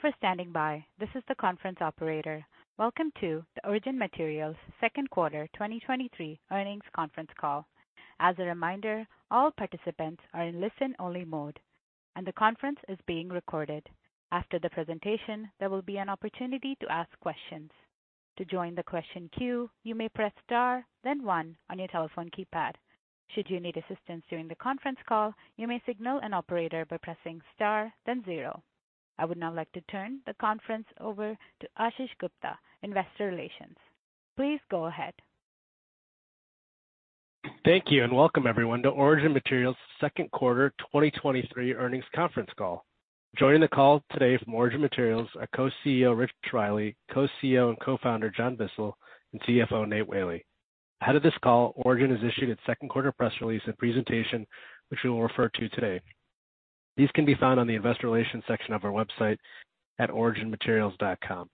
Thank you for standing by. This is the conference operator. Welcome to the Origin Materials Second Quarter 2023 Earnings Conference Call. As a reminder, all participants are in listen-only mode, and the conference is being recorded. After the presentation, there will be an opportunity to ask questions. To join the question queue, you may press Star, then one on your telephone keypad. Should you need assistance during the conference call, you may signal an operator by pressing Star, then zero. I would now like to turn the conference over to Ashish Gupta, Investor Relations. Please go ahead. Thank you. Welcome everyone to Origin Materials Second Quarter 2023 Earnings Conference Call. Joining the call today from Origin Materials are Co-CEO, Rich Riley, Co-CEO and Co-founder, John Bissell, and CFO, Nate Whaley. Ahead of this call, Origin has issued its second quarter press release and presentation, which we will refer to today. These can be found on the Investor Relations section of our website at originmaterials.com.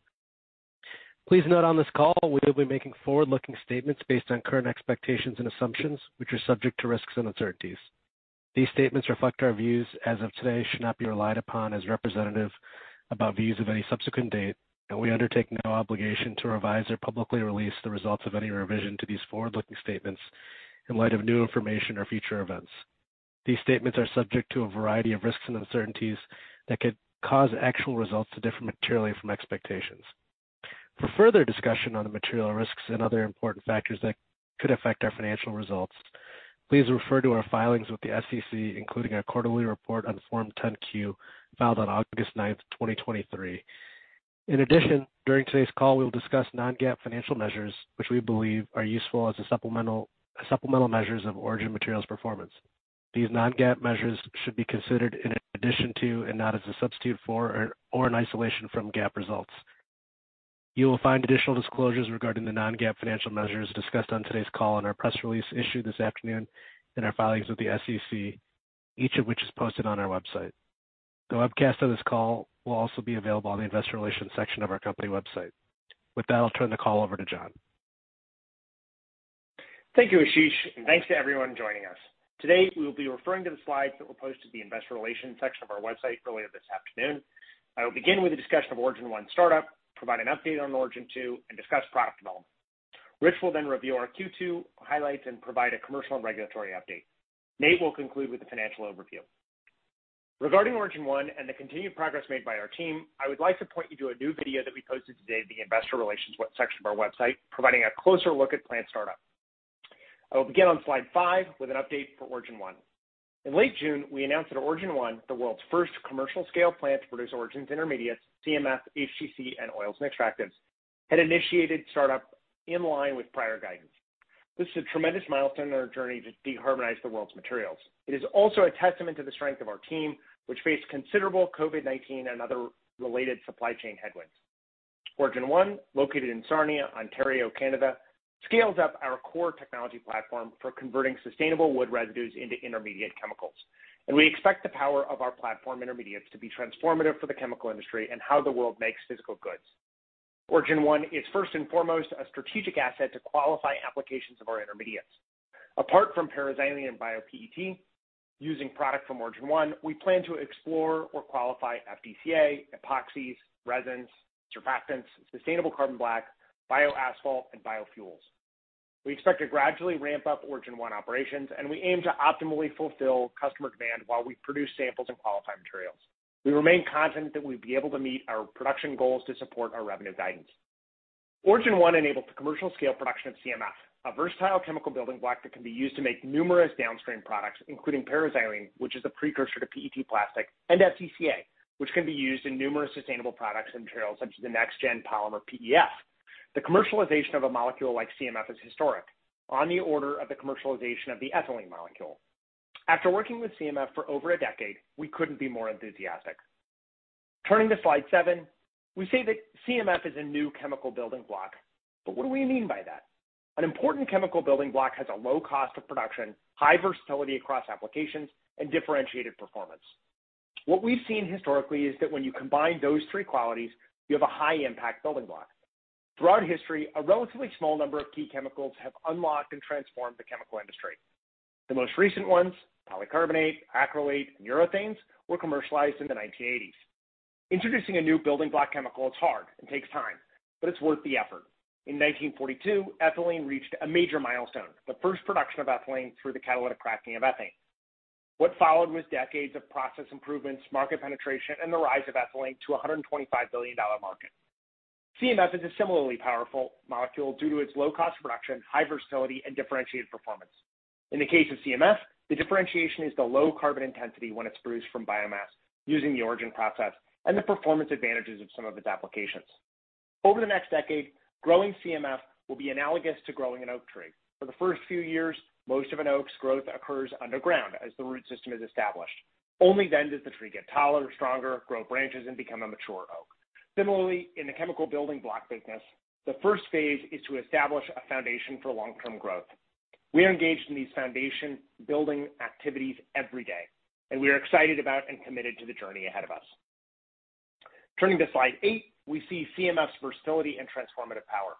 Please note on this call, we will be making forward-looking statements based on current expectations and assumptions, which are subject to risks and uncertainties. These statements reflect our views as of today, should not be relied upon as representative about views of any subsequent date, and we undertake no obligation to revise or publicly release the results of any revision to these forward-looking statements in light of new information or future events. These statements are subject to a variety of risks and uncertainties that could cause actual results to differ materially from expectations. For further discussion on the material risks and other important factors that could affect our financial results, please refer to our filings with the SEC, including our quarterly report on Form 10-Q, filed on August 9, 2023. In addition, during today's call, we will discuss non-GAAP financial measures, which we believe are useful as supplemental measures of Origin Materials performance. These non-GAAP measures should be considered in addition to and not as a substitute for or in isolation from GAAP results. You will find additional disclosures regarding the non-GAAP financial measures discussed on today's call on our press release issued this afternoon in our filings with the SEC, each of which is posted on our website. The webcast of this call will also be available on the Investor Relations section of our company website. With that, I'll turn the call over to John. Thank you, Ashish. Thanks to everyone joining us. Today, we will be referring to the slides that were posted in the Investor Relations section of our website earlier this afternoon. I will begin with a discussion of Origin 1 startup, provide an update on Origin 2, and discuss product development. Rich will then review our Q2 highlights and provide a commercial and regulatory update. Nate will conclude with the financial overview. Regarding Origin 1 and the continued progress made by our team, I would like to point you to a new video that we posted today in the Investor Relations section of our website, providing a closer look at plant startup. I will begin on slide five with an update for Origin 1. In late June, we announced that Origin 1, the world's first commercial-scale plant to produce Origin's intermediates, CMF, HTC, and oils and extractives, had initiated startup in line with prior guidance. This is a tremendous milestone in our journey to decarbonize the world's materials. It is also a testament to the strength of our team, which faced considerable COVID-19 and other related supply chain headwinds. Origin 1, located in Sarnia, Ontario, Canada, scales up our core technology platform for converting sustainable wood residues into intermediate chemicals. We expect the power of our platform intermediates to be transformative for the chemical industry and how the world makes physical goods. Origin 1 is first and foremost a strategic asset to qualify applications of our intermediates. Apart from para-xylene and bio-PET, using product from Origin 1, we plan to explore or qualify FDCA, epoxies, resins, surfactants, sustainable carbon black, bio-asphalt, and biofuels. We expect to gradually ramp up Origin 1 operations. We aim to optimally fulfill customer demand while we produce samples and qualify materials. We remain confident that we'll be able to meet our production goals to support our revenue guidance. Origin 1 enables the commercial scale production of CMF, a versatile chemical building block that can be used to make numerous downstream products, including para-xylene, which is a precursor to PET plastic and FDCA, which can be used in numerous sustainable products and materials, such as the next gen polymer PEF. The commercialization of a molecule like CMF is historic, on the order of the commercialization of the ethylene molecule. After working with CMF for over a decade, we couldn't be more enthusiastic. Turning to slide seven, we say that CMF is a new chemical building block. What do we mean by that? An important chemical building block has a low cost of production, high versatility across applications, and differentiated performance. What we've seen historically is that when you combine those three qualities, you have a high-impact building block. Throughout history, a relatively small number of key chemicals have unlocked and transformed the chemical industry. The most recent ones, polycarbonate, acrylate, and urethanes, were commercialized in the 1980s. Introducing a new building block chemical is hard and takes time, but it's worth the effort. In 1942, ethylene reached a major milestone, the first production of ethylene through the catalytic cracking of ethane. What followed was decades of process improvements, market penetration, and the rise of ethylene to a $125 billion market. CMF is a similarly powerful molecule due to its low cost of production, high versatility, and differentiated performance. In the case of CMF, the differentiation is the low carbon intensity when it's produced from biomass using the Origin process and the performance advantages of some of its applications. Over the next decade, growing CMF will be analogous to growing an oak tree. For the first few years, most of an oak's growth occurs underground as the root system is established. Only then does the tree get taller, stronger, grow branches, and become a mature oak. Similarly, in the chemical building block business, the phase I is to establish a foundation for long-term growth. We are engaged in these foundation building activities every day, and we are excited about and committed to the journey ahead of us. Turning to slide eight, we see CMF's versatility and transformative power.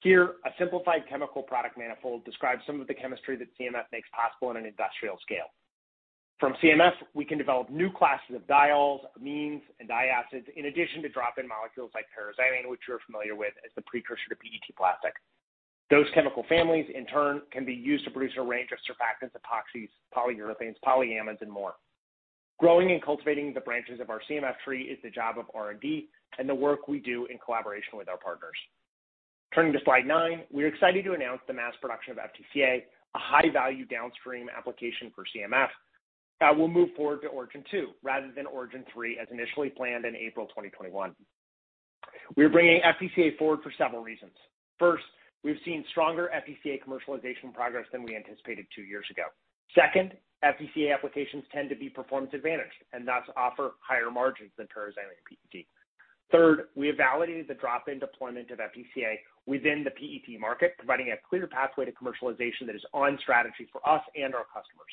Here, a simplified chemical product manifold describes some of the chemistry that CMF makes possible on an industrial scale. From CMF, we can develop new classes of diols, amines, and diacids, in addition to drop-in molecules like para-xylene, which you're familiar with as the precursor to PET plastic. Those chemical families, in turn, can be used to produce a range of surfactants, epoxies, polyurethanes, polyamides, and more. Growing and cultivating the branches of our CMF tree is the job of R&D and the work we do in collaboration with our partners. Turning to slide nine, we're excited to announce the mass production of FDCA, a high-value downstream application for CMF, that will move forward to Origin 2 rather than Origin 3, as initially planned in April 2021. We are bringing FDCA forward for several reasons. First, we've seen stronger FDCA commercialization progress than we anticipated two years ago. Second, FDCA applications tend to be performance advantaged and thus offer higher margins than para-xylene PET. Third, we have validated the drop-in deployment of FDCA within the PET market, providing a clear pathway to commercialization that is on strategy for us and our customers.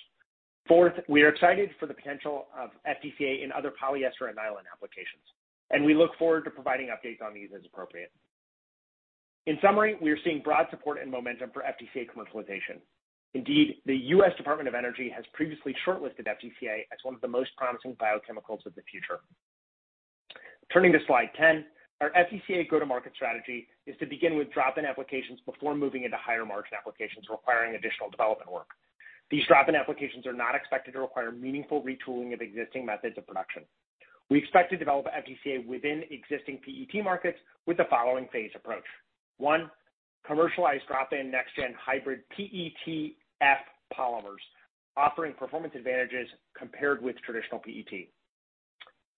Fourth, we are excited for the potential of FDCA in other polyester and nylon applications, and we look forward to providing updates on these as appropriate. In summary, we are seeing broad support and momentum for FDCA commercialization. Indeed, the United States Department of Energy has previously shortlisted FDCA as one of the most promising biochemicals of the future. Turning to slide 10, our FDCA go-to-market strategy is to begin with drop-in applications before moving into higher-margin applications requiring additional development work. These drop-in applications are not expected to require meaningful retooling of existing methods of production. We expect to develop FDCA within existing PET markets with the following phased approach. One, commercialize drop-in next gen hybrid PETF polymers, offering performance advantages compared with traditional PET.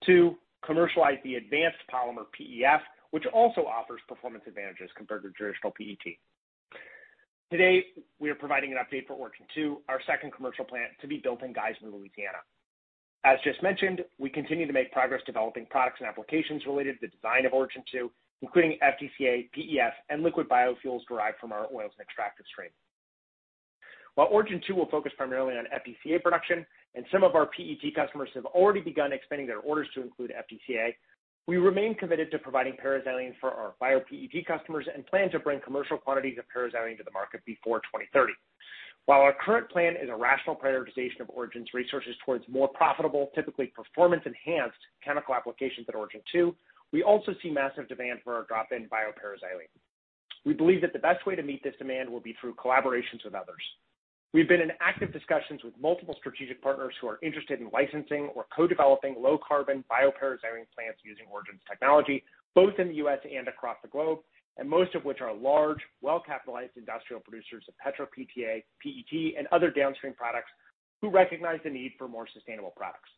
Two, commercialize the advanced polymer PEF, which also offers performance advantages compared to traditional PET. Today, we are providing an update for Origin 2, our second commercial plant to be built in Geismar, Louisiana. As just mentioned, we continue to make progress developing products and applications related to the design of Origin 2, including FDCA, PEF, and liquid biofuels derived from our oils and extractives stream. While Origin 2 will focus primarily on FDCA production, and some of our PET customers have already begun expanding their orders to include FDCA, we remain committed to providing para-xylene for our bio-PET customers and plan to bring commercial quantities of para-xylene to the market before 2030. While our current plan is a rational prioritization of Origin's resources towards more profitable, typically performance-enhanced chemical applications at Origin 2, we also see massive demand for our drop-in bio-paraxylene. We believe that the best way to meet this demand will be through collaborations with others. We've been in active discussions with multiple strategic partners who are interested in licensing or co-developing low-carbon bio-paraxylene plants using Origin's technology, both in the U.S. and across the globe, and most of which are large, well-capitalized industrial producers of petro-PTA, PET, and other downstream products, who recognize the need for more sustainable products.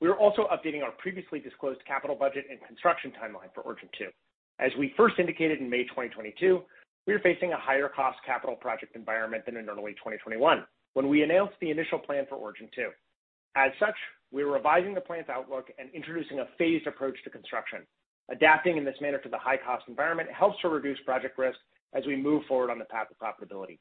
We are also updating our previously disclosed capital budget and construction timeline for Origin 2. As we first indicated in May 2022, we are facing a higher cost capital project environment than in early 2021, when we announced the initial plan for Origin 2. As such, we are revising the plan's outlook and introducing a phased approach to construction. Adapting in this manner to the high-cost environment helps to reduce project risk as we move forward on the path to profitability.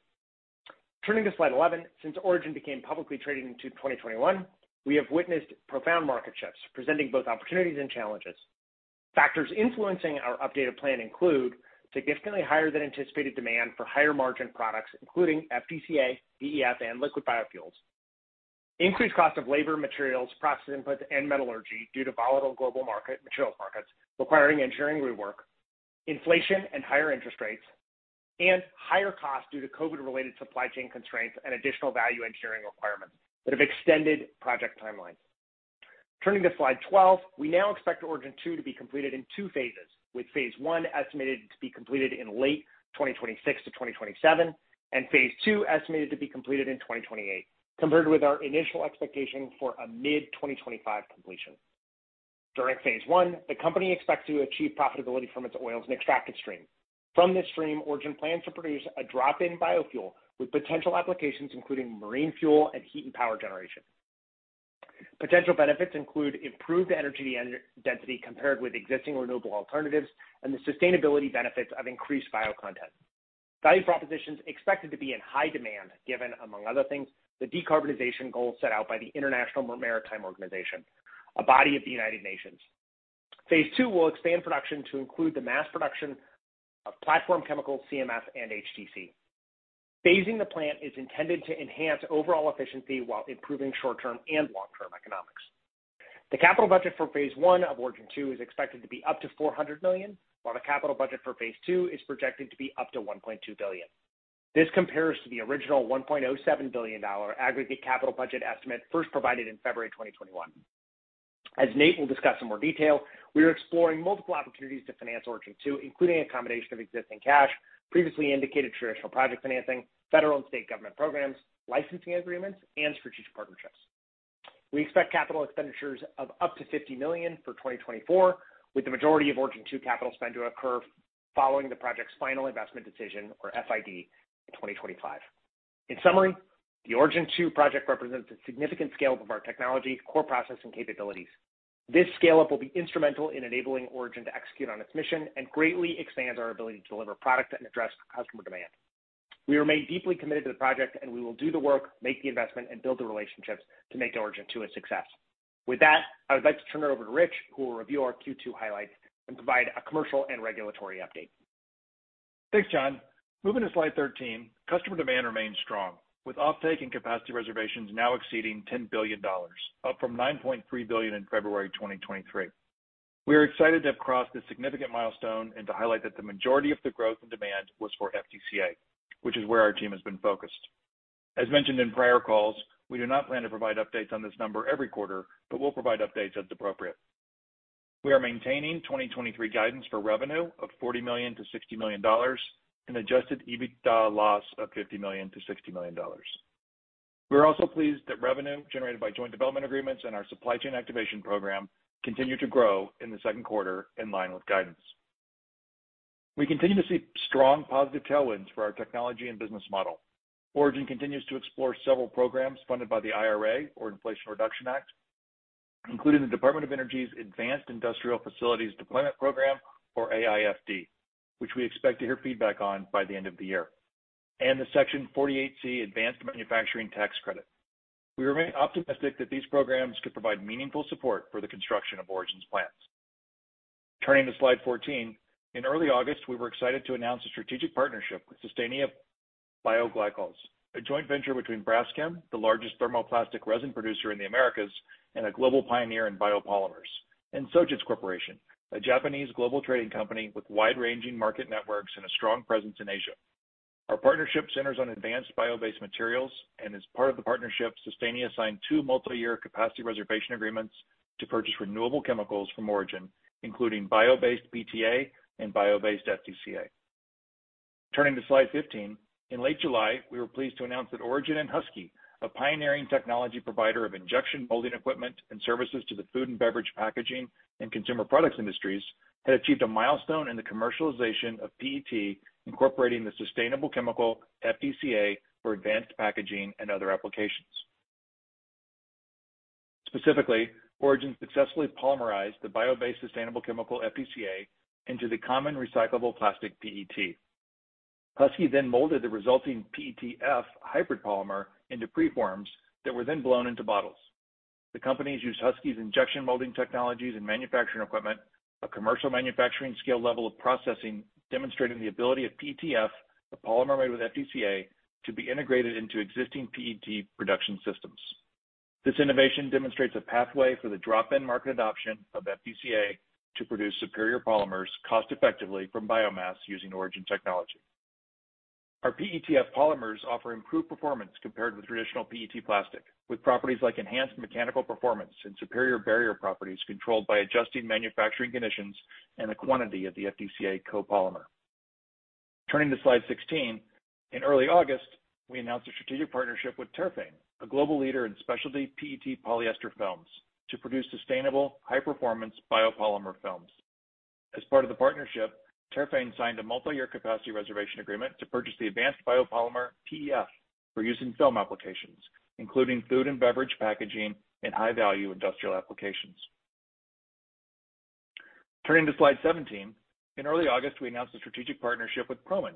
Turning to slide 11, since Origin became publicly traded in 2021, we have witnessed profound market shifts, presenting both opportunities and challenges. Factors influencing our updated plan include significantly higher than anticipated demand for higher-margin products, including FDCA, PEF, and liquid biofuels. Increased cost of labor, materials, process inputs, and metallurgy due to volatile global material markets requiring engineering rework, inflation and higher interest rates, and higher costs due to COVID-related supply chain constraints and additional value engineering requirements that have extended project timelines. Turning to slide 12, we now expect Origin 2 to be completed in two phases, with phase I estimated to be completed in late 2026 to 2027, and phase II estimated to be completed in 2028, compared with our initial expectation for a mid-2025 completion. During phase I, the company expects to achieve profitability from its oils and extractives stream. From this stream, Origin plans to produce a drop-in biofuel with potential applications, including marine fuel and heat and power generation. Potential benefits include improved energy and density compared with existing renewable alternatives and the sustainability benefits of increased bio content. Value propositions expected to be in high demand, given, among other things, the decarbonization goals set out by the International Maritime Organization, a body of the United Nations. Phase II will expand production to include the mass production of platform chemicals, CMF and HTC. Phasing the plant is intended to enhance overall efficiency while improving short-term and long-term economics. The capital budget for phase I of Origin-2 is expected to be up to $400 million, while the capital budget for phase II is projected to be up to $1.2 billion. This compares to the original $1.7 billion aggregate capital budget estimate first provided in February 2021. As Nate will discuss in more detail, we are exploring multiple opportunities to finance Origin-2, including a combination of existing cash, previously indicated traditional project financing, federal and state government programs, licensing agreements, and strategic partnerships. We expect capital expenditures of up to $50 million for 2024, with the majority of Origin-2 capital spend to occur following the project's final investment decision or FID in 2025. In summary, the Origin 2 project represents a significant scale-up of our technology, core process, and capabilities. This scale-up will be instrumental in enabling Origin to execute on its mission and greatly expand our ability to deliver product and address customer demand. We remain deeply committed to the project, and we will do the work, make the investment, and build the relationships to make Origin 2 a success. With that, I would like to turn it over to Rich, who will review our Q2 highlights and provide a commercial and regulatory update.... Thanks, John. Moving to slide 13, customer demand remains strong, with offtake and capacity reservations now exceeding $10 billion, up from $9.3 billion in February 2023. We are excited to have crossed this significant milestone and to highlight that the majority of the growth and demand was for FDCA, which is where our team has been focused. As mentioned in prior calls, we do not plan to provide updates on this number every quarter, but we'll provide updates as appropriate. We are maintaining 2023 guidance for revenue of $40 million-$60 million and adjusted EBITDA loss of $50 million-$60 million. We're also pleased that revenue generated by joint development agreements and our supply chain activation program continued to grow in the second quarter, in line with guidance. We continue to see strong positive tailwinds for our technology and business model. Origin continues to explore several programs funded by the IRA, or Inflation Reduction Act, including the Department of Energy's Advanced Industrial Facilities Deployment program, or AIFD, which we expect to hear feedback on by the end of the year, and the Section 48C Advanced Manufacturing Tax Credit. We remain optimistic that these programs could provide meaningful support for the construction of Origin's plans. Turning to slide 14, in early August, we were excited to announce a strategic partnership with Sustainea Bioglycols, a joint venture between Braskem, the largest thermoplastic resin producer in the Americas and a global pioneer in biopolymers, and Sojitz Corporation, a Japanese global trading company with wide-ranging market networks and a strong presence in Asia. Our partnership centers on advanced bio-based materials, and as part of the partnership, Sustainea signed two multiyear capacity reservation agreements to purchase renewable chemicals from Origin, including bio-based PTA and bio-based FDCA. Turning to slide 15, in late July, we were pleased to announce that Origin and Husky, a pioneering technology provider of injection molding equipment and services to the food and beverage, packaging, and consumer products industries, had achieved a milestone in the commercialization of PET, incorporating the sustainable chemical FDCA for advanced packaging and other applications. Specifically, Origin successfully polymerized the bio-based, sustainable chemical FDCA into the common recyclable plastic PET. Molded the resulting PETF hybrid polymer into preforms that were then blown into bottles. The companies used Husky's injection molding technologies and manufacturing equipment, a commercial manufacturing scale level of processing, demonstrating the ability of PETF, a polymer made with FDCA, to be integrated into existing PET production systems. This innovation demonstrates a pathway for the drop-in market adoption of FDCA to produce superior polymers cost effectively from biomass using Origin technology. Our PETF polymers offer improved performance compared with traditional PET plastic, with properties like enhanced mechanical performance and superior barrier properties controlled by adjusting manufacturing conditions and the quantity of the FDCA copolymer. Turning to slide 16, in early August, we announced a strategic partnership with Terphane, a global leader in specialty PET polyester films, to produce sustainable, high-performance biopolymer films. As part of the partnership, Terphane signed a multiyear capacity reservation agreement to purchase the advanced biopolymer PEF for use in film applications, including food and beverage, packaging, and high-value industrial applications. Turning to slide 17, in early August, we announced a strategic partnership with Proman,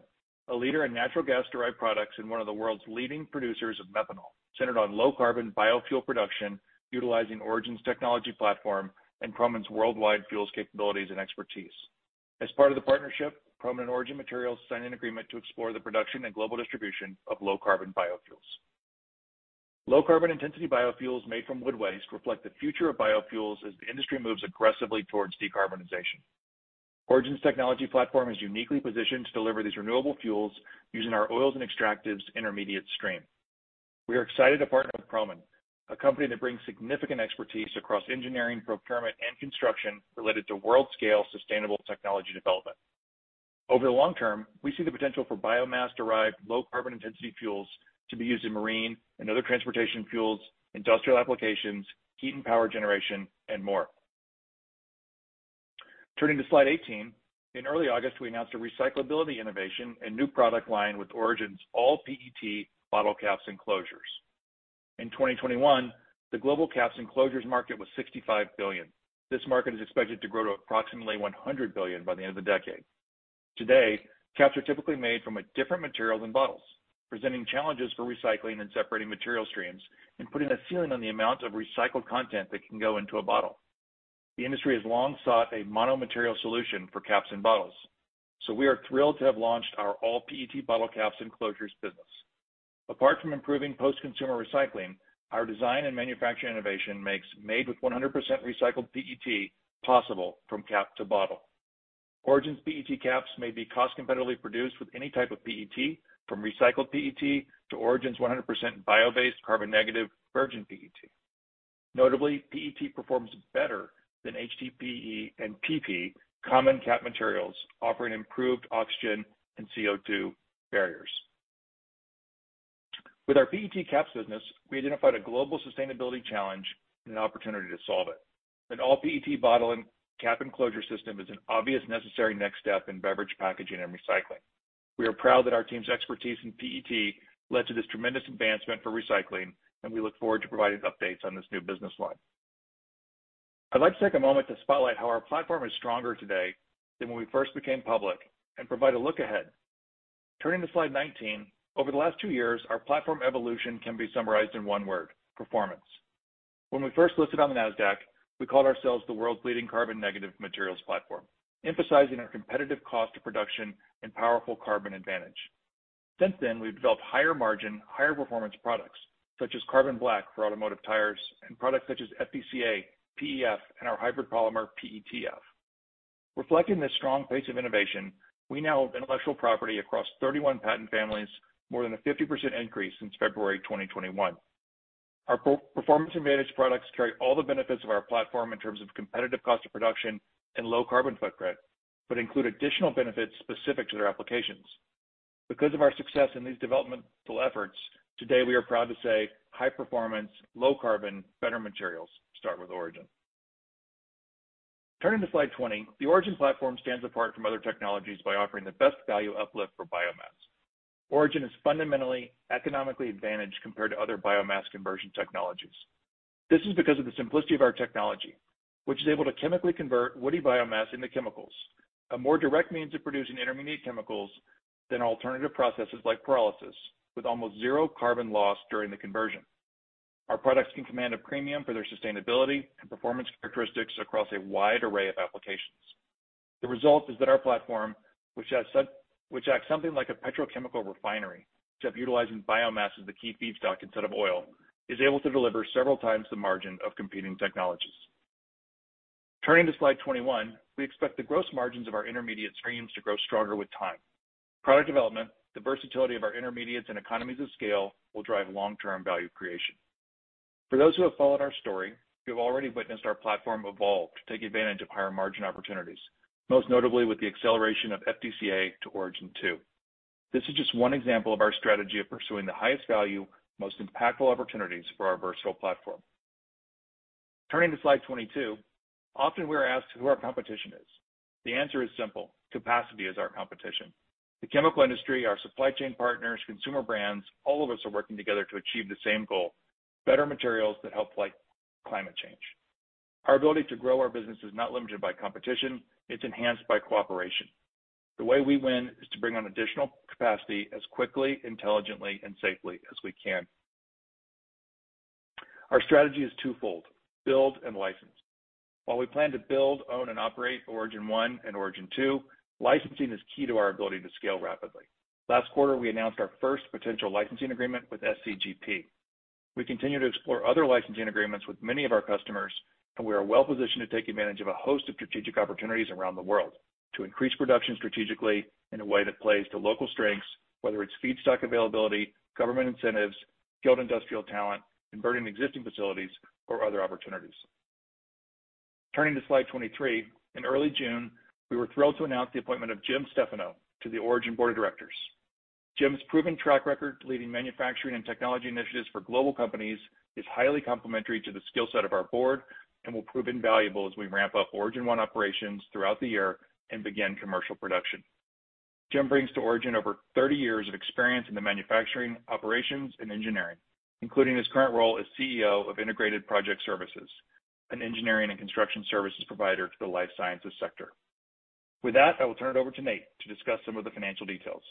a leader in natural gas-derived products and one of the world's leading producers of methanol, centered on low-carbon biofuel production utilizing Origin's technology platform and Proman's worldwide fuels capabilities and expertise. As part of the partnership, Proman and Origin Materials signed an agreement to explore the production and global distribution of low-carbon biofuels. Low carbon intensity biofuels made from wood waste reflect the future of biofuels as the industry moves aggressively towards decarbonization. Origin's technology platform is uniquely positioned to deliver these renewable fuels using our oils and extractives intermediate stream. We are excited to partner with Proman, a company that brings significant expertise across engineering, procurement, and construction related to world-scale sustainable technology development. Over the long term, we see the potential for biomass-derived, low carbon intensity fuels to be used in marine and other transportation fuels, industrial applications, heat and power generation, and more. Turning to slide 18, in early August, we announced a recyclability innovation and new product line with Origin's all PET bottle caps and closures. In 2021, the global caps and closures market was $65 billion. This market is expected to grow to approximately $100 billion by the end of the decade. Today, caps are typically made from a different material than bottles, presenting challenges for recycling and separating material streams and putting a ceiling on the amount of recycled content that can go into a bottle. The industry has long sought a mono-material solution for caps and bottles, so we are thrilled to have launched our all PET bottle caps and closures business. Apart from improving post-consumer recycling, our design and manufacturing innovation makes made with 100% recycled PET possible from cap to bottle. Origin's PET caps may be cost competitively produced with any type of PET, from recycled PET to Origin's 100% bio-based carbon negative virgin PET. Notably, PET performs better than HDPE and PP, common cap materials, offering improved oxygen and CO2 barriers. With our PET caps business, we identified a global sustainability challenge and an opportunity to solve it. An all PET bottle and cap enclosure system is an obvious necessary next step in beverage packaging and recycling. We are proud that our team's expertise in PET led to this tremendous advancement for recycling, and we look forward to providing updates on this new business line. I'd like to take a moment to spotlight how our platform is stronger today than when we first became public and provide a look ahead. Turning to slide 19, over the last two years, our platform evolution can be summarized in one word, performance. When we first listed on the Nasdaq, we called ourselves the world's leading carbon negative materials platform, emphasizing our competitive cost of production and powerful carbon advantage. Since then, we've developed higher margin, higher performance products, such as carbon black for automotive tires and products such as FDCA, PEF, and our hybrid polymer, PETF. Reflecting this strong pace of innovation, we now have intellectual property across 31 patent families, more than a 50% increase since February 2021. Our pro-performance advantage products carry all the benefits of our platform in terms of competitive cost of production and low-carbon footprint, but include additional benefits specific to their applications. Because of our success in these developmental efforts, today we are proud to say, high-performance, low-carbon, better materials, start with Origin. Turning to slide 20, the Origin platform stands apart from other technologies by offering the best value uplift for biomass. Origin is fundamentally economically advantaged compared to other biomass conversion technologies. This is because of the simplicity of our technology, which is able to chemically convert woody biomass into chemicals, a more direct means of producing intermediate chemicals than alternative processes like pyrolysis, with almost zero carbon loss during the conversion. Our products can command a premium for their sustainability and performance characteristics across a wide array of applications. The result is that our platform, which acts something like a petrochemical refinery, except utilizing biomass as the key feedstock instead of oil, is able to deliver several times the margin of competing technologies. Turning to slide 21, we expect the gross margins of our intermediate streams to grow stronger with time. Product development, the versatility of our intermediates and economies of scale will drive long-term value creation. For those who have followed our story, you have already witnessed our platform evolve to take advantage of higher margin opportunities, most notably with the acceleration of FDCA to Origin 2. This is just one example of our strategy of pursuing the highest value, most impactful opportunities for our versatile platform. Turning to slide 22, often we are asked who our competition is. The answer is simple: capacity is our competition. The chemical industry, our supply chain partners, consumer brands, all of us are working together to achieve the same goal, better materials that help fight climate change. Our ability to grow our business is not limited by competition, it's enhanced by cooperation. The way we win is to bring on additional capacity as quickly, intelligently, and safely as we can. Our strategy is twofold: build and license. While we plan to build, own, and operate Origin 1 and Origin 2, licensing is key to our ability to scale rapidly. Last quarter, we announced our first potential licensing agreement with SCGP. We continue to explore other licensing agreements with many of our customers. We are well positioned to take advantage of a host of strategic opportunities around the world to increase production strategically in a way that plays to local strengths, whether it's feedstock availability, government incentives, skilled industrial talent, converting existing facilities or other opportunities. Turning to slide 23, in early June, we were thrilled to announce the appointment of Jim Stephanou to the Origin Board of Directors. Jim's proven track record leading manufacturing and technology initiatives for global companies is highly complementary to the skill set of our board and will prove invaluable as we ramp up Origin 1 operations throughout the year and begin commercial production. Jim brings to Origin over 30 years of experience in the manufacturing, operations, and engineering, including his current role as CEO of Integrated Project Services, an engineering and construction services provider to the life sciences sector. With that, I will turn it over to Nate to discuss some of the financial details.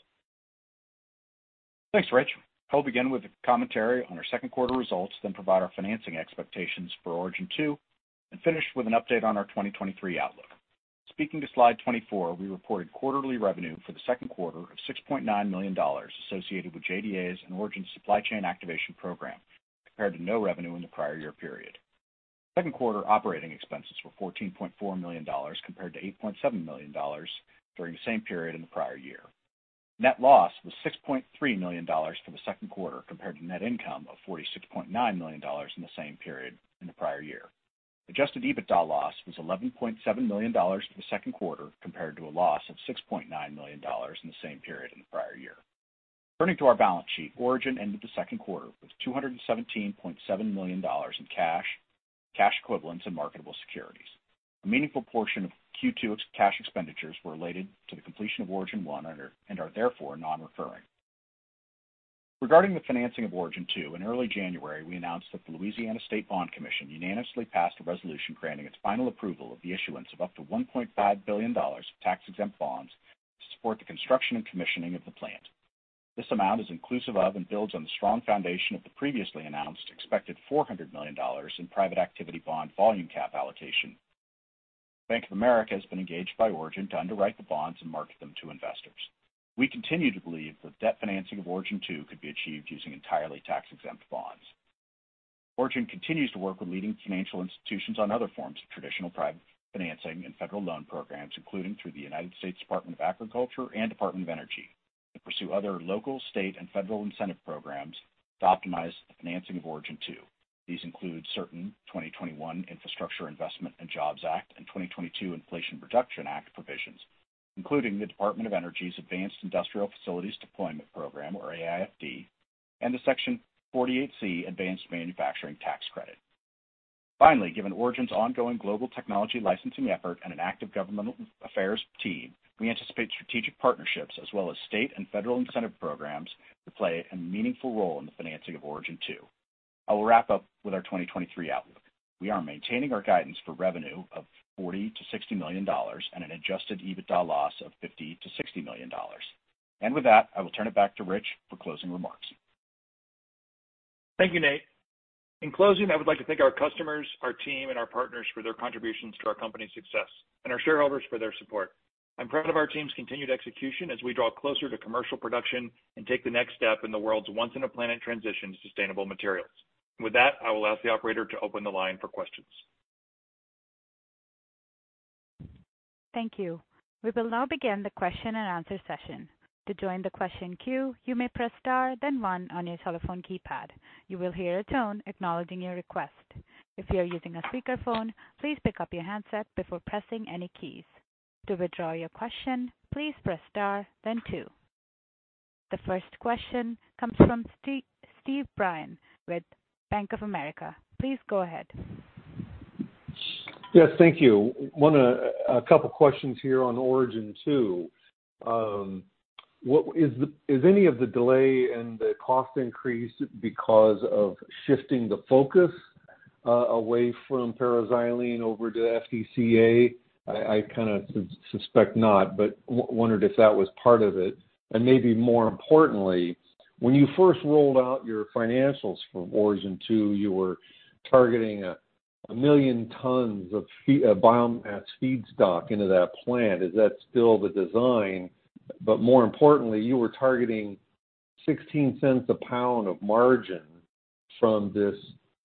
Thanks, Rich. I'll begin with a commentary on our second quarter results, then provide our financing expectations for Origin 2, and finish with an update on our 2023 outlook. Speaking to slide 24, we reported quarterly revenue for the second quarter of $6.9 million associated with JDAs and Origin's supply chain activation program, compared to no revenue in the prior year period. Second quarter operating expenses were $14.4 million, compared to $8.7 million during the same period in the prior year. Net loss was $6.3 million for the second quarter, compared to net income of $46.9 million in the same period in the prior year. Adjusted EBITDA loss was $11.7 million for the second quarter, compared to a loss of $6.9 million in the same period in the prior year. Turning to our balance sheet, Origin ended the second quarter with $217.7 million in cash, cash equivalents and marketable securities. A meaningful portion of Q2 ex-cash expenditures were related to the completion of Origin 1 and are, therefore, non-recurring. Regarding the financing of Origin 2, in early January, we announced that the Louisiana State Bond Commission unanimously passed a resolution granting its final approval of the issuance of up to $1.5 billion of tax-exempt bonds to support the construction and commissioning of the plant. This amount is inclusive of and builds on the strong foundation of the previously announced expected $400 million in Private Activity Bond volume cap allocation. Bank of America has been engaged by Origin to underwrite the bonds and market them to investors. We continue to believe that debt financing of Origin 2 could be achieved using entirely tax-exempt bonds. Origin continues to work with leading financial institutions on other forms of traditional private financing and federal loan programs, including through the United States Department of Agriculture and Department of Energy, and pursue other local, state, and federal incentive programs to optimize the financing of Origin 2. These include certain 2021 Infrastructure Investment and Jobs Act and 2022 Inflation Reduction Act provisions, including the Department of Energy's Advanced Industrial Facilities Deployment Program, or AIFD, and the Section 48C Advanced Manufacturing Tax Credit. Finally, given Origin's ongoing global technology licensing effort and an active governmental affairs team, we anticipate strategic partnerships as well as state and federal incentive programs to play a meaningful role in the financing of Origin 2. I will wrap up with our 2023 outlook. We are maintaining our guidance for revenue of $40 million-$60 million and an adjusted EBITDA loss of $50 million-$60 million. With that, I will turn it back to Rich for closing remarks. Thank you, Nate. In closing, I would like to thank our customers, our team and our partners for their contributions to our company's success, and our shareholders for their support. I'm proud of our team's continued execution as we draw closer to commercial production and take the next step in the world's once-in-a-planet transition to sustainable materials. With that, I will ask the operator to open the line for questions. Thank you. We will now begin the question-and-answer session. To join the question queue, you may press Star, then One on your telephone keypad. You will hear a tone acknowledging your request. If you are using a speakerphone, please pick up your handset before pressing any keys. To withdraw your question, please press Star then Two. The first question comes from Steve Byrne with Bank of America. Please go ahead. Yes, thank you. One, a couple questions here on Origin 2. Is any of the delay and the cost increase because of shifting the focus away from para-xylene over to FDCA? I, I kind of suspect not, but wondered if that was part of it. Maybe more importantly, when you first rolled out your financials for Origin 2, you were targeting 1 million tons of fee biomass feedstock into that plant. Is that still the design? More importantly, you were targeting $0.16 a pound of margin from this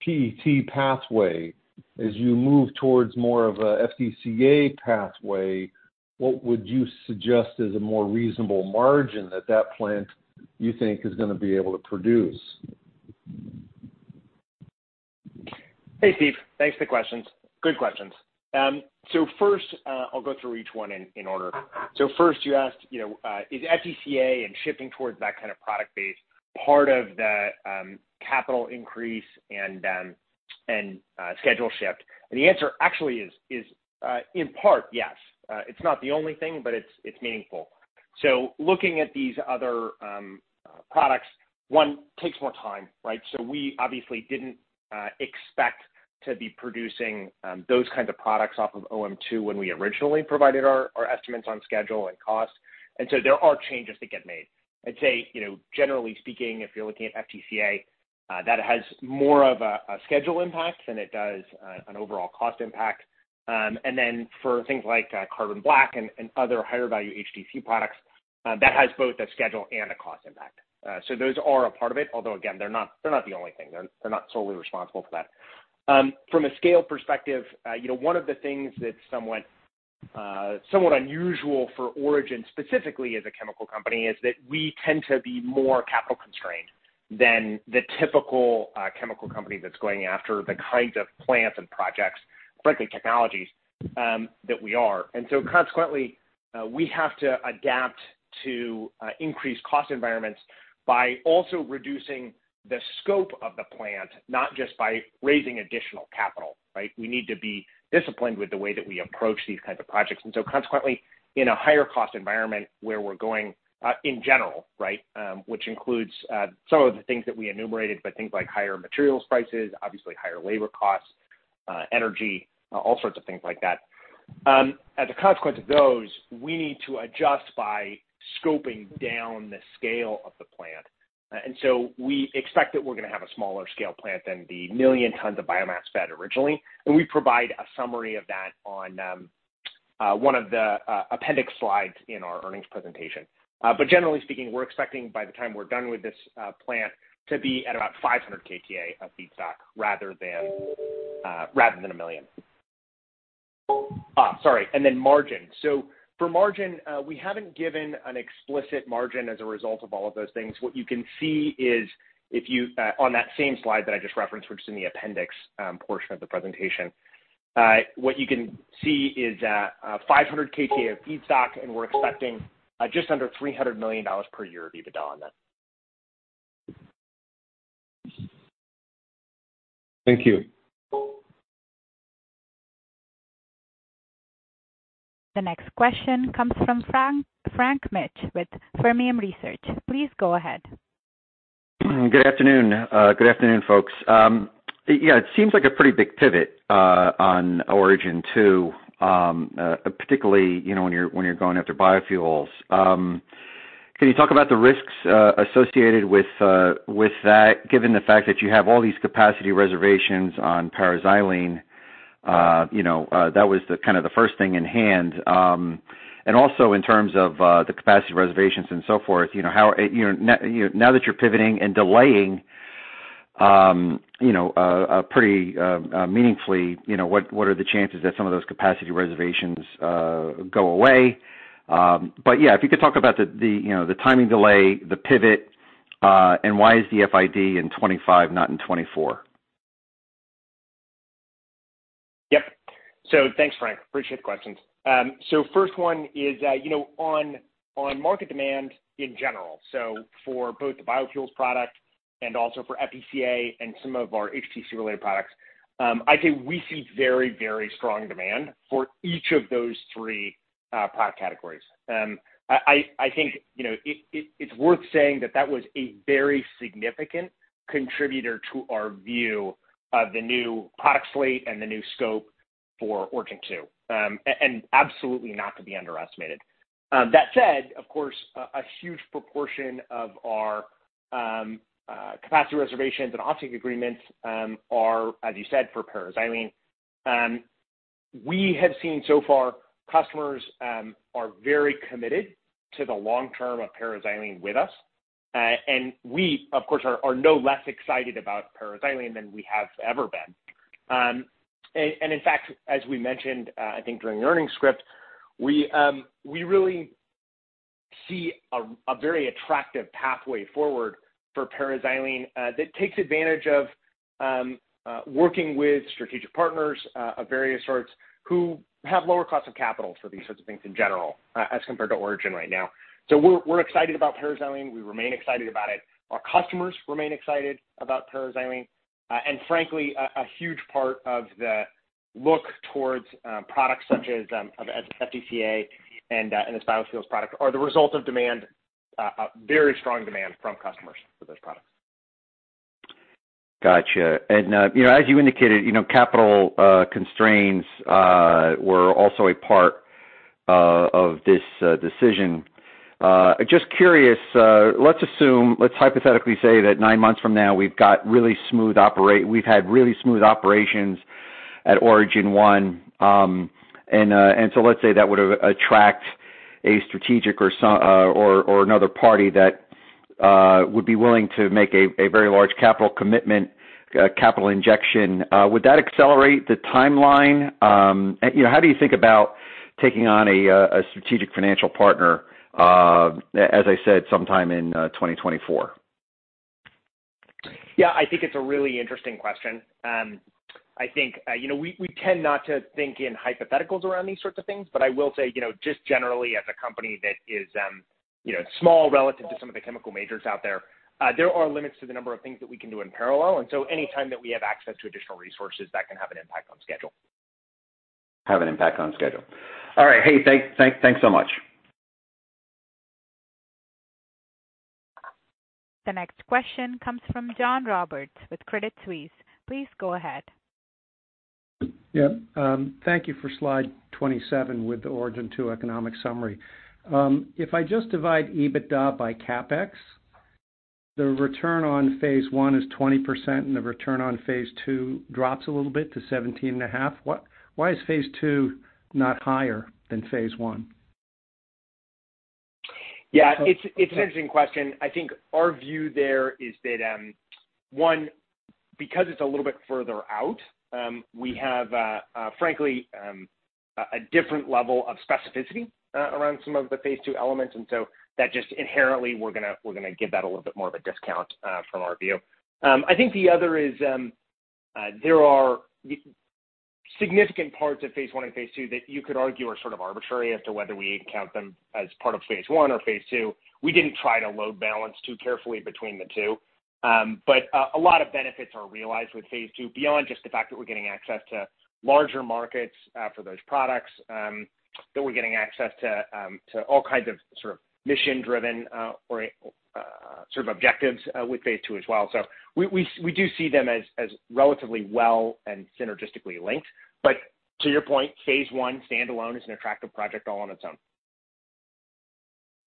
PET pathway. As you move towards more of a FDCA pathway, what would you suggest is a more reasonable margin that that plant, you think, is going to be able to produce? Hey, Steve, thanks for the questions. Good questions. First, I'll go through each one in order. First, you asked, you know, is FDCA and shifting towards that kind of product base, part of the capital increase and schedule shift? The answer actually is, in part, yes. It's not the only thing, but it's, it's meaningful. Looking at these other products, one, takes more time, right? We obviously didn't expect to be producing those kinds of products off of OM2 when we originally provided our, our estimates on schedule and cost. There are changes that get made. I'd say, you know, generally speaking, if you're looking at FDCA, that has more of a schedule impact than it does an overall cost impact. For things like carbon black and other higher value HTC products, that has both a schedule and a cost impact. Those are a part of it. Although, again, they're not, they're not the only thing. They're, they're not solely responsible for that. From a scale perspective, you know, one of the things that's somewhat unusual for Origin, specifically as a chemical company, is that we tend to be more capital constrained than the typical chemical company that's going after the kinds of plants and projects, frankly, technologies, that we are. Consequently, we have to adapt to increased cost environments by also reducing the scope of the plant, not just by raising additional capital, right? We need to be disciplined with the way that we approach these kinds of projects. Consequently, in a higher cost environment where we're going, in general, right? Which includes some of the things that we enumerated, but things like higher materials prices, obviously higher labor costs, energy, all sorts of things like that. As a consequence of those, we need to adjust by scoping down the scale of the plant. We expect that we're going to have a smaller scale plant than the 1 million tons of biomass fed originally, and we provide a summary of that on one of the appendix slides in our earnings presentation. Generally speaking, we're expecting by the time we're done with this plant, to be at about 500 KTA of feedstock rather than rather than 1 million. Sorry, margin. For margin, we haven't given an explicit margin as a result of all of those things. You can see is if you, on that same slide that I just referenced, which is in the appendix, portion of the presentation, you can see is that, 500 KTA of feedstock, and we're expecting, just under $300 million per year of EBITDA on that. Thank you. The next question comes from Frank Mitsch with Fermium Research. Please go ahead. Good afternoon. Good afternoon, folks. Yeah, it seems like a pretty big pivot on Origin 2, particularly, you know, when you're, when you're going after biofuels. Can you talk about the risks associated with that, given the fact that you have all these capacity reservations on para-xylene? You know, that was the kind of the first thing in hand. And also in terms of the capacity reservations and so forth, you know, how, you know, now that you're pivoting and delaying, you know, a pretty meaningfully, you know, what, what are the chances that some of those capacity reservations go away? Yeah, if you could talk about the, the, you know, the timing delay, the pivot, and why is the FID in 2025, not in 2024? Yep. Thanks, Frank. Appreciate the questions. First one is, you know, on, on market demand in general. For both the biofuels product and also for FDCA and some of our HTC-related products, I'd say we see very, very strong demand for each of those three product categories. I, I, I think, you know, it, it, it's worth saying that that was a very significant contributor to our view of the new product slate and the new scope for Origin 2. Absolutely not to be underestimated. That said, of course, a, a huge proportion of our capacity reservations and off-take agreements are, as you said, for para-xylene. We have seen so far, customers, are very committed to the long term of paraxylene with us, we, of course, are, are no less excited about paraxylene than we have ever been. In fact, as we mentioned, I think during the earnings script, we really see a very attractive pathway forward for paraxylene that takes advantage of working with strategic partners of various sorts, who have lower costs of capital for these sorts of things in general, as compared to Origin right now. We're, we're excited about paraxylene. We remain excited about it. Our customers remain excited about paraxylene. Frankly, a, a huge part of the look towards products such as FDCA and this biofuels product are the result of demand, very strong demand from customers for those products. Gotcha. You know, as you indicated, you know, capital constraints were also a part of this decision. Just curious, let's assume, let's hypothetically say that nine months from now, we've had really smooth operations at Origin 1. Let's say that would have attract a strategic or some, or, or another party that would be willing to make a very large capital commitment, capital injection. Would that accelerate the timeline? You know, how do you think about taking on a strategic financial partner, as I said, sometime in 2024? Yeah, I think it's a really interesting question. I think, you know, we, we tend not to think in hypotheticals around these sorts of things, but I will say, you know, just generally as a company that is, you know, small relative to some of the chemical majors out there, there are limits to the number of things that we can do in parallel, and so anytime that we have access to additional resources, that can have an impact on schedule. Have an impact on schedule. All right, hey, thanks so much. The next question comes from John Roberts with Credit Suisse. Please go ahead. Yeah, thank you for slide 27 with the Origin 2 economic summary. If I just divide EBITDA by CapEx, the return on phase I is 20%, and the return on phase II drops a little bit to 17.5%. Why is phase II not higher than phase I? Yeah, it's, it's an interesting question. I think our view there is that one, because it's a little bit further out, we have, frankly, a different level of specificity around some of the phase II elements, so that just inherently, we're gonna- we're gonna give that a little bit more of a discount from our view. I think the other is, there are significant parts of phase I and phase II that you could argue are sort of arbitrary as to whether we count them as part of phase I or phase II. We didn't try to load balance too carefully between the two. A lot of benefits are realized with phase II, beyond just the fact that we're getting access to larger markets for those products that we're getting access to, to all kinds of sort of mission-driven or sort of objectives with phase II as well. We, we, we do see them as, as relatively well and synergistically linked. To your point, phase I, standalone, is an attractive project all on its own.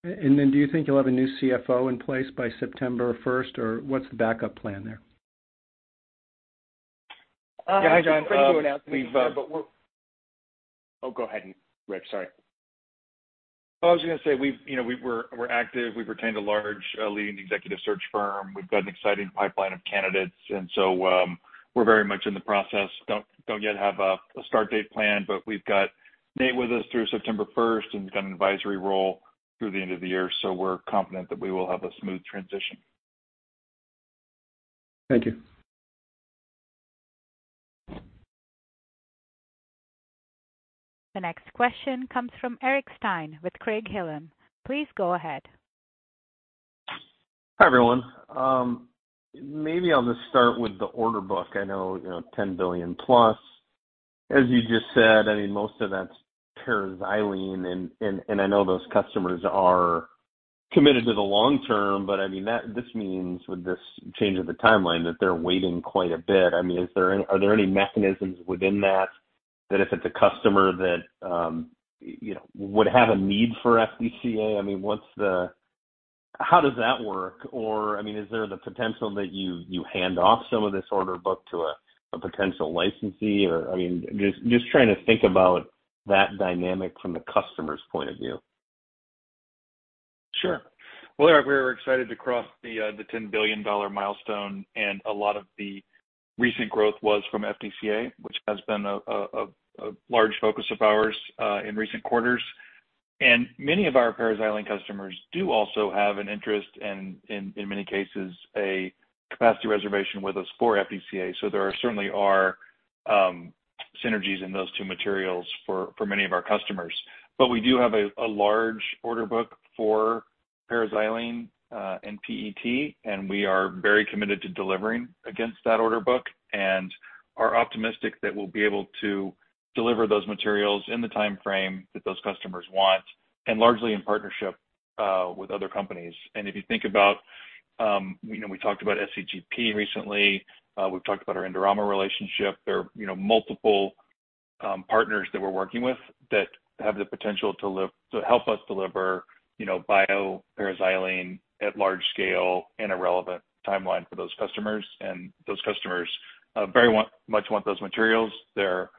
Then do you think you'll have a new CFO in place by September 1st, or what's the backup plan there? hi, John- Yeah, hi, John. We've. We're, oh, go ahead, Rich. Sorry. I was gonna say we've, you know, we're active. We've retained a large, leading executive search firm. We've got an exciting pipeline of candidates, and so, we're very much in the process. Don't yet have a start date plan, but we've got Nate with us through September 1st, and he's got an advisory role through the end of the year, so we're confident that we will have a smooth transition. Thank you. The next question comes from Eric Stine with Craig-Hallum. Please go ahead. Hi, everyone. Maybe I'll just start with the order book. I know, you know, 10 billion plus. As you just said, I mean, most of that's para-xylene, and, and, and I know those customers are committed to the long term, but I mean, this means, with this change of the timeline, that they're waiting quite a bit. I mean, is there any, are there any mechanisms within that, that if it's a customer that, you know, would have a need for FDCA, I mean, what's the? How does that work? Or, I mean, is there the potential that you, you hand off some of this order book to a, a potential licensee or, I mean, just, just trying to think about that dynamic from the customer's point of view. Sure. Well, we're excited to cross the $10 billion milestone. A lot of the recent growth was from FDCA, which has been a large focus of ours in recent quarters. Many of our para-xylene customers do also have an interest and in many cases, a capacity reservation with us for FDCA. There are certainly synergies in those two materials for many of our customers. We do have a large order book for para-xylene and PET. We are very committed to delivering against that order book and are optimistic that we'll be able to deliver those materials in the timeframe that those customers want, and largely in partnership with other companies. If you think about.... You know, we talked about SCGP recently. We've talked about our Indorama relationship. There are, you know, multiple partners that we're working with that have the potential to help us deliver, you know, bio-paraxylene at large scale in a relevant timeline for those customers. Those customers, very want, much want those materials. There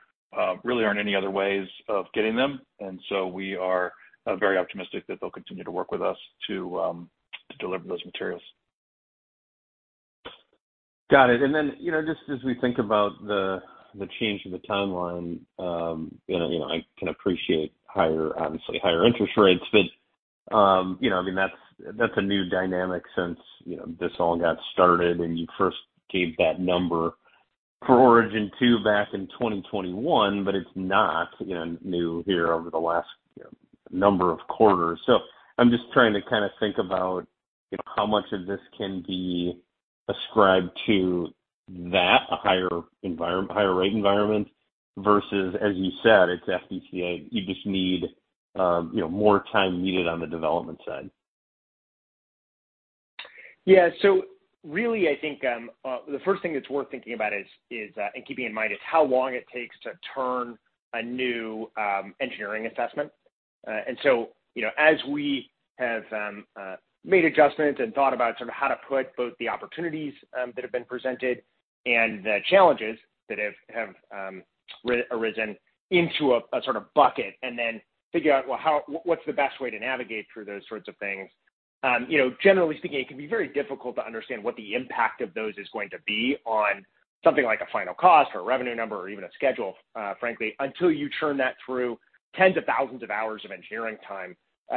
really aren't any other ways of getting them, and so we are very optimistic that they'll continue to work with us to deliver those materials. Got it. You know, just as we think about the, the change in the timeline, you know, you know, I can appreciate higher, obviously higher interest rates. You know, I mean, that's, that's a new dynamic since, you know, this all got started, and you first gave that number for Origin 2 back in 2021, but it's not, you know, new here over the last, you know, number of quarters. I'm just trying to kinda think about, you know, how much of this can be ascribed to that, a higher environment, higher rate environment, versus, as you said, it's FDCA. You just need, you know, more time needed on the development side. Yeah. Really, I think, the first thing that's worth thinking about is, is, and keeping in mind, is how long it takes to turn a new, engineering assessment. You know, as we have, made adjustments and thought about sort of how to put both the opportunities, that have been presented and the challenges that have, arisen into a, a sort of bucket and then figure out, well, how... what's the best way to navigate through those sorts of things? You know, generally speaking, it can be very difficult to understand what the impact of those is going to be on something like a final cost or a revenue number or even a schedule, frankly, until you turn that through tens of thousands of hours of engineering time,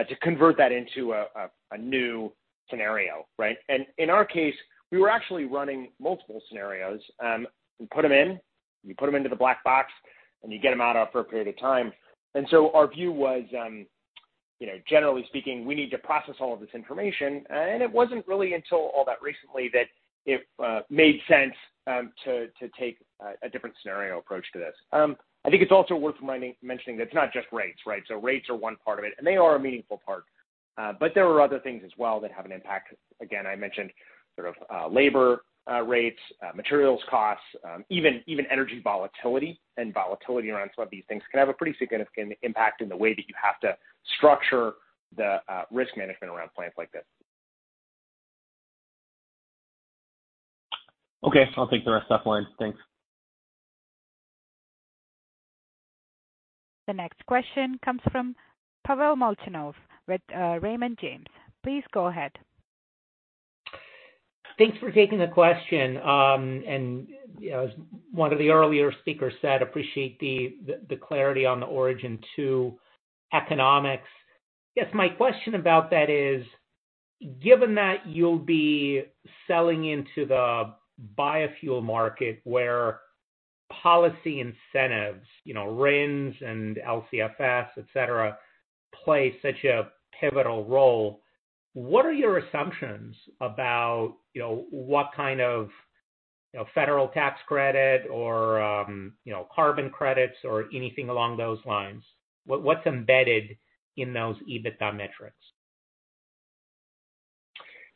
to convert that into a new scenario, right? In our case, we were actually running multiple scenarios. You put them in, you put them into the black box, and you get them out after a period of time. Our view was, you know, generally speaking, we need to process all of this information, and it wasn't really until all that recently that it made sense to take a different scenario approach to this. I think it's also worth mentioning, that it's not just rates, right? Rates are one part of it, and they are a meaningful part, but there are other things as well that have an impact. Again, I mentioned sort of, labor, rates, materials costs, even, even energy volatility and volatility around some of these things can have a pretty significant impact in the way that you have to structure the risk management around plants like this. Okay, I'll take the rest offline. Thanks. The next question comes from Pavel Molchanov with Raymond James. Please go ahead. Thanks for taking the question. You know, as one of the earlier speakers said, appreciate the, the, the clarity on the Origin 2 economics. I guess my question about that is, given that you'll be selling into the biofuel market, where policy incentives, you know, RINS and LCFS, et cetera, play such a pivotal role, what are your assumptions about, you know, what kind of, you know, federal tax credit or, you know, carbon credits or anything along those lines? What, what's embedded in those EBITDA metrics?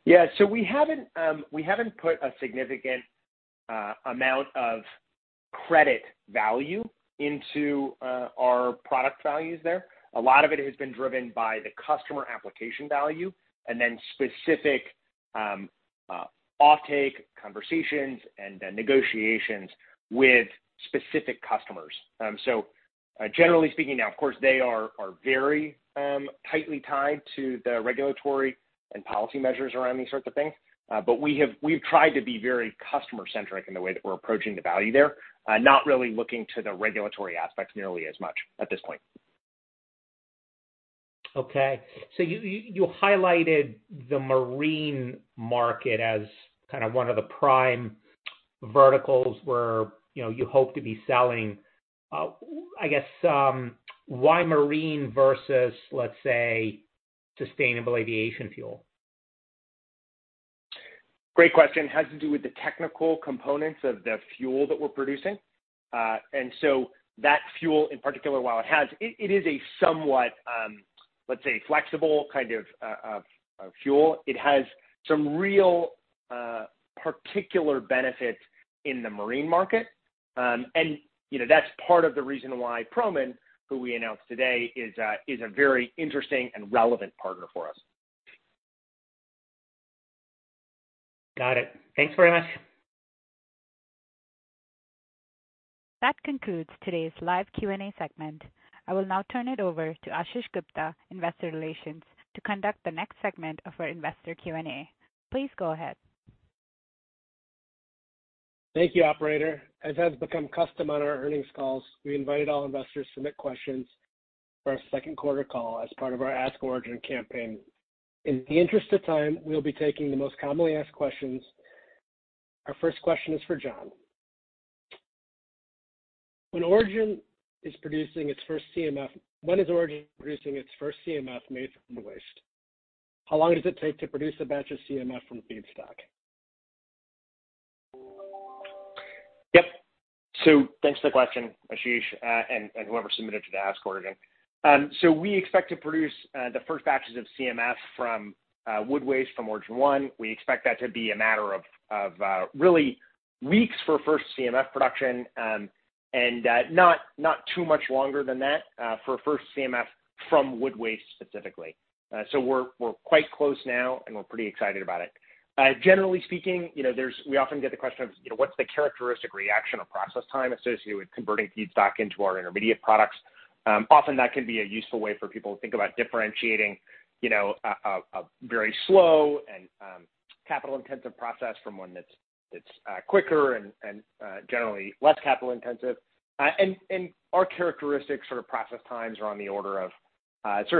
We haven't, we haven't put a significant amount of credit value into our product values there. A lot of it has been driven by the customer application value and then specific offtake conversations and then negotiations with specific customers. Generally speaking, now, of course, they are very tightly tied to the regulatory and policy measures around these sorts of things. We've tried to be very customer-centric in the way that we're approaching the value there. Not really looking to the regulatory aspects nearly as much at this point. Okay. You, you, you highlighted the marine market as kind of one of the prime verticals where, you know, you hope to be selling. I guess, why marine versus, let's say, sustainable aviation fuel? Great question. It has to do with the technical components of the fuel that we're producing. So that fuel, in particular, while it has... it is a somewhat, let's say, flexible kind of, a fuel. It has some real, particular benefits in the marine market. You know, that's part of the reason why Proman, who we announced today, is a, is a very interesting and relevant partner for us. Got it. Thanks very much. That concludes today's live Q&A segment. I will now turn it over to Ashish Gupta, Investor Relations, to conduct the next segment of our investor Q&A. Please go ahead. Thank you, operator. As has become custom on our earnings calls, we invited all investors to submit questions for our second quarter call as part of our Ask Origin campaign. In the interest of time, we'll be taking the most commonly asked questions. Our first question is for John. When is Origin producing its first CMF made from waste? How long does it take to produce a batch of CMF from feedstock? Thanks for the question, Ashish, and whoever submitted to the Ask Origin. We expect to produce the first batches of CMF from wood waste from Origin 1. We expect that to be a matter of, of really weeks for first CMF production, and not too much longer than that for first CMF from wood waste specifically. We're, we're quite close now, and we're pretty excited about it. Generally speaking, you know, there's, we often get the question of, you know, what's the characteristic reaction or process time associated with converting feedstock into our intermediate products? Often that can be a useful way for people to think about differentiating, you know, a, a, a very slow and capital-intensive process from one that's, that's quicker and, and generally less capital intensive. Our characteristic sort of process times are on the order of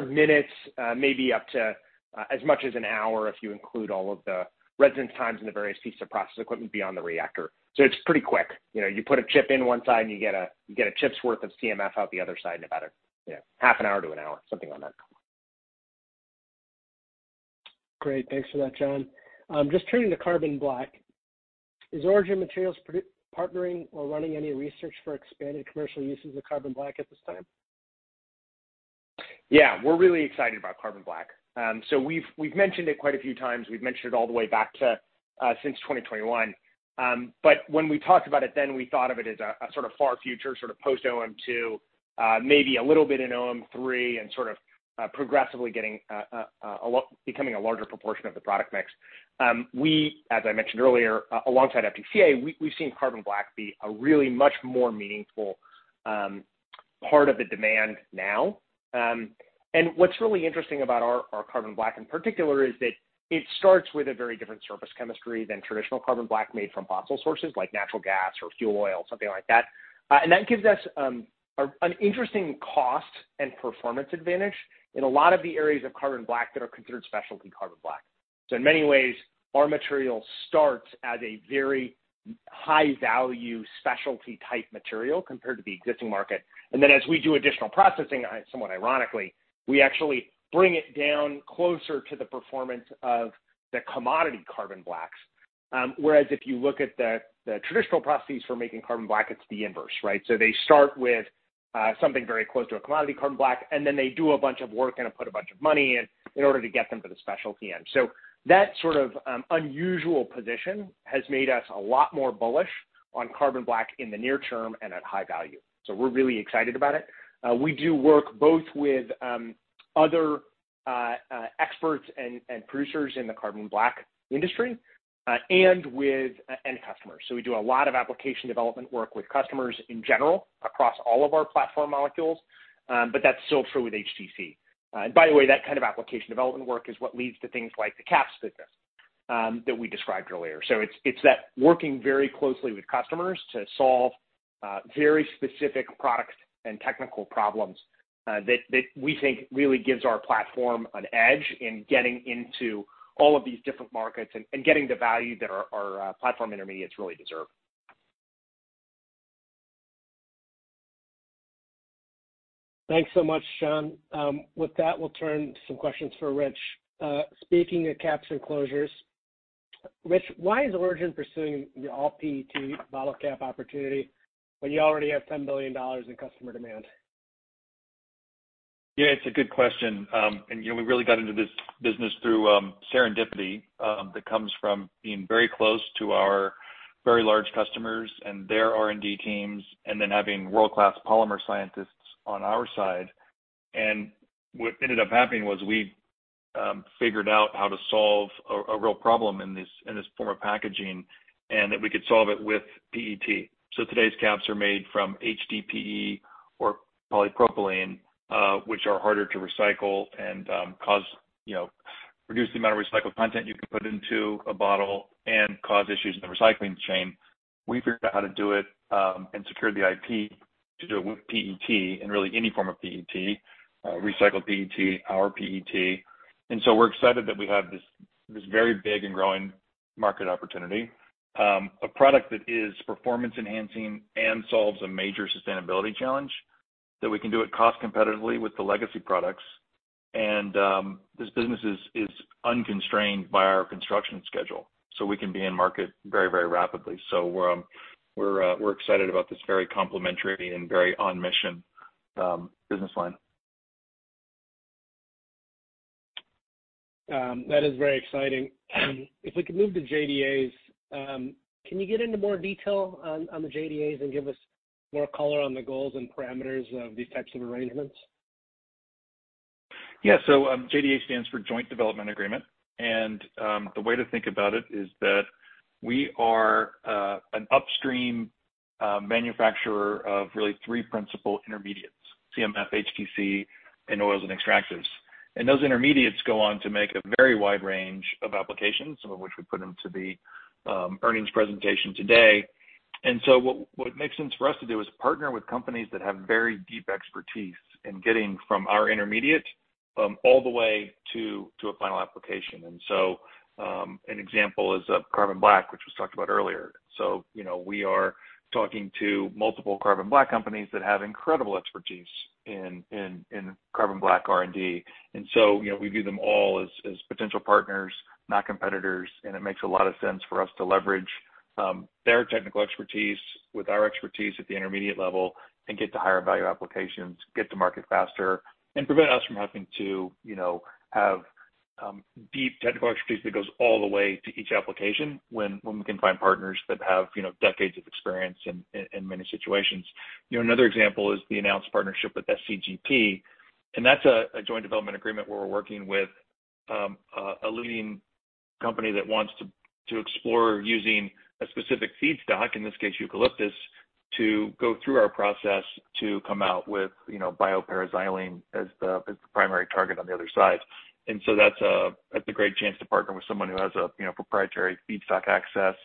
minutes, maybe up to as much as 1 hour if you include all of the residence times and the various pieces of process equipment beyond the reactor. It's pretty quick. You know, you put a chip in 1 side, and you get a, you get a chip's worth of CMF out the other side in about, you know, 0.5 hour to 1 hour, something like that. Great. Thanks for that, John. Just turning to carbon black, is Origin Materials partnering or running any research for expanded commercial uses of carbon black at this time? Yeah, we're really excited about carbon black. We've mentioned it quite a few times. We've mentioned it all the way back to since 2021. When we talked about it then, we thought of it as a sort of far future, sort of post OM2, maybe a little bit in OM3, and sort of progressively becoming a larger proportion of the product mix. We, as I mentioned earlier, alongside FDCA, we've seen carbon black be a really much more meaningful part of the demand now. What's really interesting about our carbon black in particular is that it starts with a very different surface chemistry than traditional carbon black made from fossil sources like natural gas or fuel oil, something like that. That gives us an interesting cost and performance advantage in a lot of the areas of carbon black that are considered specialty carbon black. In many ways, our material starts as a very high value, specialty type material compared to the existing market. Then as we do additional processing, somewhat ironically, we actually bring it down closer to the performance of the commodity carbon blacks. Whereas if you look at the traditional processes for making carbon black, it's the inverse, right? They start with something very close to a commodity carbon black, and then they do a bunch of work and put a bunch of money in, in order to get them to the specialty end. That sort of unusual position has made us a lot more bullish on carbon black in the near term and at high value. We're really excited about it. We do work both with other experts and producers in the carbon black industry and with end customers. We do a lot of application development work with customers in general, across all of our platform molecules, but that's still true with HTC. And by the way, that kind of application development work is what leads to things like the caps business that we described earlier. It's, it's that working very closely with customers to solve, very specific products and technical problems, that, that we think really gives our platform an edge in getting into all of these different markets and, and getting the value that our, our, platform intermediates really deserve. Thanks so much, John. With that, we'll turn to some questions for Rich. Speaking of caps and closures, Rich, why is Origin pursuing the all PET bottle cap opportunity when you already have $10 billion in customer demand? Yeah, it's a good question. You know, we really got into this business through serendipity that comes from being very close to our very large customers and their R&D teams, and then having world-class polymer scientists on our side. What ended up happening was we figured out how to solve a real problem in this, in this form of packaging, and that we could solve it with PET. Today's caps are made from HDPE or polypropylene, which are harder to recycle and cause, you know, reduce the amount of recycled content you can put into a bottle and cause issues in the recycling chain. We figured out how to do it and secure the IP to do it with PET, and really any form of PET, recycled PET, our PET. So we're excited that we have this, this very big and growing market opportunity. A product that is performance enhancing and solves a major sustainability challenge, that we can do it cost competitively with the legacy products. This business is, is unconstrained by our construction schedule, so we can be in market very, very rapidly. We're excited about this very complementary and very on mission business line. That is very exciting. If we could move to JDAs, can you get into more detail on, on the JDAs and give us more color on the goals and parameters of these types of arrangements? Yeah. JDA stands for Joint Development Agreement. The way to think about it is that we are an upstream manufacturer of really three principal intermediates, CMF, HTC, and oils and extractives. Those intermediates go on to make a very wide range of applications, some of which we put into the earnings presentation today. What, what makes sense for us to do is partner with companies that have very deep expertise in getting from our intermediate all the way to, to a final application. An example is carbon black, which was talked about earlier. You know, we are talking to multiple carbon black companies that have incredible expertise in, in, in carbon black R&D. You know, we view them all as potential partners, not competitors, and it makes a lot of sense for us to leverage their technical expertise with our expertise at the intermediate level and get to higher value applications, get to market faster, and prevent us from having to, you know, have deep technical expertise that goes all the way to each application, when we can find partners that have, you know, decades of experience in many situations. You know, another example is the announced partnership with SCGP, that's a Joint Development Agreement where we're working with a leading company that wants to explore using a specific feedstock, in this case, eucalyptus, to go through our process to come out with, you know, Bio-Parasylene as the primary target on the other side. That's a great chance to partner with someone who has a, you know, proprietary feedstock access,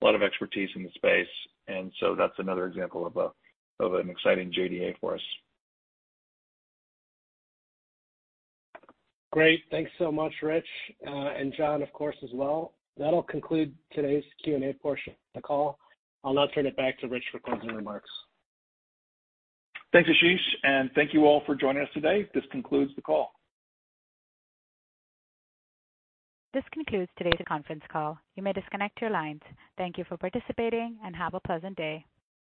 a lot of expertise in the space, and so that's another example of an exciting JDA for us. Great. Thanks so much, Rich, and John, of course, as well. That'll conclude today's Q&A portion of the call. I'll now turn it back to Rich for closing remarks. Thanks, Ashish, and thank you all for joining us today. This concludes the call. This concludes today's conference call. You may disconnect your lines. Thank you for participating, and have a pleasant day.